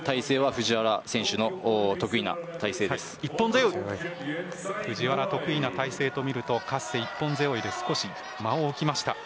藤原、得意な体勢と見るとカッセ、一本背負で間を置きました。